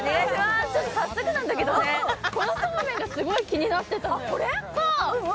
早速なんだけど、このそうめんがすごく気になってたのよ。